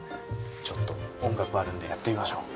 ちょっと音楽あるんでやってみましょう